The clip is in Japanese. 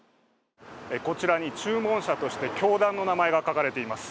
こちらに注文者として教団の名前が書かれています。